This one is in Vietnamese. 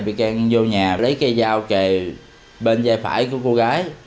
bị can vô nhà lấy cây dao kề bên da phải của cô gái